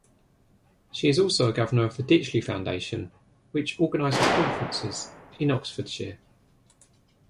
She is also a governor of the Ditchley Foundation, which organises conferences in Oxfordshire.